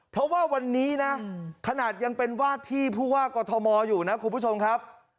เพราะว่าวันนี้นะขนาดยังเป็นวาดที่ผู้ว่ากอทมอยู่นะคุณผู้ชมครับ